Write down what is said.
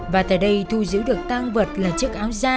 và tại đây thu giữ được tang vật là chiếc áo da